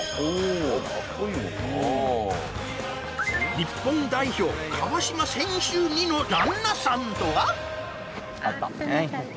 日本代表川島選手似の旦那さんとは？